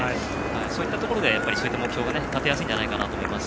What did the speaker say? そういったところでそういった目標が立てやすいのかなと思います。